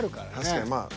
確かにまあ。